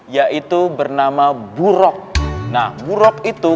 yang bisa ditunggangi yaitu